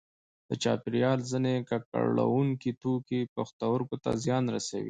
د چاپیریال ځینې ککړوونکي توکي پښتورګو ته زیان رسوي.